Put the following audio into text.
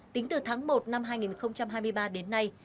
tính từ tháng một năm hai nghìn hai mươi ba đến nay